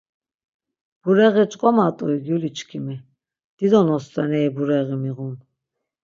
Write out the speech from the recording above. Bureği ç̌ǩomat̆ui gyuliçkimi, dido nostoneri bureği miğun.